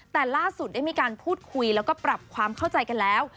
แต่ล่าสุดได้มีการพูดคุยแล้วก็ปรับความเข้าใจกันแล้ว